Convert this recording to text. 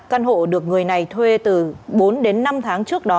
căn hộ được người này thuê từ bốn đến năm tháng trước đó